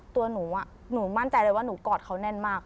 ตัวหนูหนูมั่นใจเลยว่าหนูกอดเขาแน่นมาก